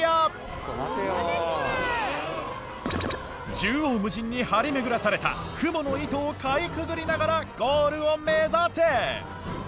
縦横無尽に張り巡らされたクモの糸をかいくぐりながらゴールを目指せ！